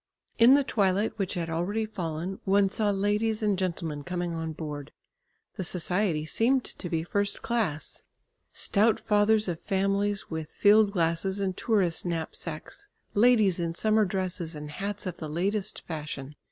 In the twilight which had already fallen one saw ladies and gentlemen coming on board. The society seemed to be first class. Stout fathers of families with field glasses and tourist knapsacks, ladies in summer dresses and hats of the latest fashion.